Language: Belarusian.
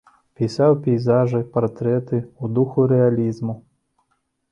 Пісаў пейзажы, партрэты ў духу рэалізму.